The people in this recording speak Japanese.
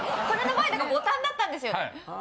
これの前とかボタンだったんですよ。